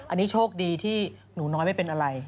อันนี้โชคดีที่หนูน้อยไม่เป็นอะไร